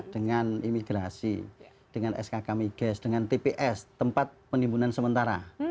dengan imigrasi dengan skk migas dengan tps tempat penimbunan sementara